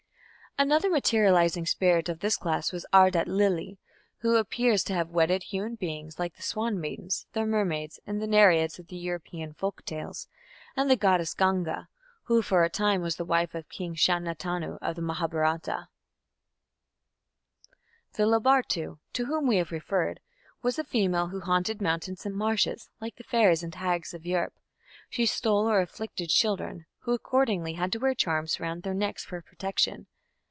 _ Another materializing spirit of this class was Ardat Lili, who appears to have wedded human beings like the swan maidens, the mermaids, and Nereids of the European folk tales, and the goddess Ganga, who for a time was the wife of King Shantanu of the Mahabharata. The Labartu, to whom we have referred, was a female who haunted mountains and marshes; like the fairies and hags of Europe, she stole or afflicted children, who accordingly had to wear charms round their necks for protection.